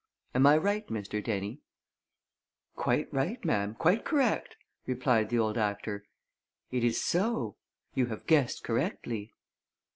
Am I right, Mr. Dennie?" "Quite right, ma'am, quite correct," replied the old actor. "It is so you have guessed correctly!"